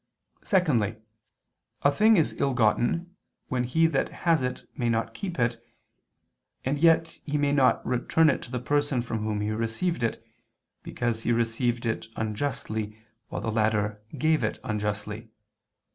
Secondly, a thing is ill gotten, when he that has it may not keep it, and yet he may not return it to the person from whom he received it, because he received it unjustly, while the latter gave it unjustly.